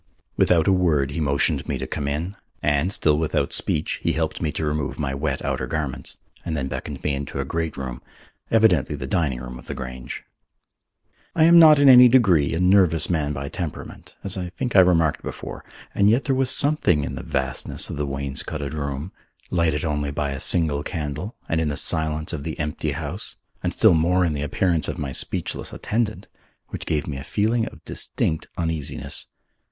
Without a word he motioned me to come in, and, still without speech, he helped me to remove my wet outer garments, and then beckoned me into a great room, evidently the dining room of the Grange. I am not in any degree a nervous man by temperament, as I think I remarked before, and yet there was something in the vastness of the wainscoted room, lighted only by a single candle, and in the silence of the empty house, and still more in the appearance of my speechless attendant, which gave me a feeling of distinct uneasiness.